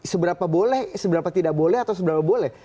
seberapa boleh seberapa tidak boleh atau seberapa boleh